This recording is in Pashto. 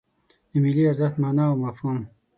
د ملي ارزښت مانا او مفهوم